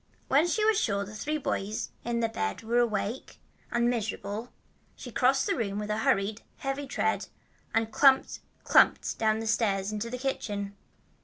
When she was sure the three boys in the bed were awake and miserable, she crossed the room with a hurried, heavy tread and clumped, clumped down the stairs into the kitchen.